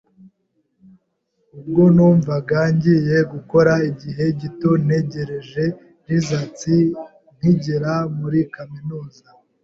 ubwo numvaga ngiye gukora igihe gito ntegereje resultants nkigira muri kaminuza,